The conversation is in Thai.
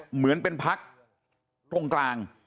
เหมือนเป็นพักตรงกลาง